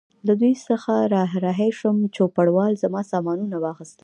له دوی څخه را رهي شوم، چوپړوال زما سامانونه واخیستل.